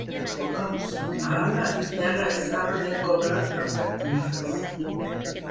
A l'època musulmana, el terra estava decorat amb catifes.